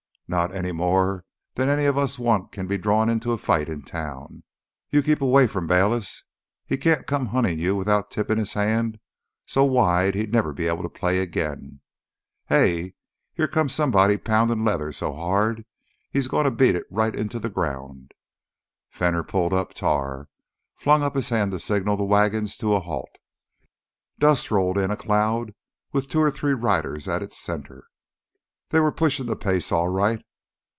"Not any more'n any of us wot can be drawed into a fight in town. You keep away from Bayliss. He can't come huntin' you without tippin' his hand so wide he'd never be able to play agin. Hey, here comes somebody poundin' leather so hard he's gonna beat it right intuh th' ground!" Fenner pulled up Tar, flung up his hand to signal the wagons to a halt. Dust rolled in a cloud with two or three riders at its center. They were pushing the pace all right.